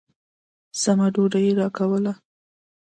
سمه ډوډۍ يې راکوله.